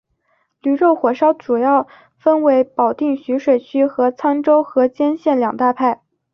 驴肉火烧主要分为保定徐水区和沧州河间县两大派。